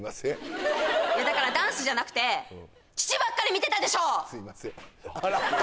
いやだからダンスじゃなくて乳ばっかり見てたでしょ！